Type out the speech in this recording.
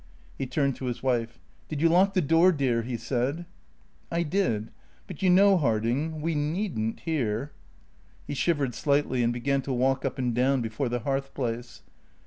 He turned to his wife. "Did you lock the door, dear?" he said. "I did. But you know, Harding, we needn't here." He shivered slightly and began to walk up and down before the hearth place.